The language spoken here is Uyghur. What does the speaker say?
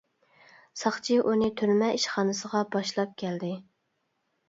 ساقچى ئۇنى تۈرمە ئىشخانىسىغا باشلاپ كەلدى.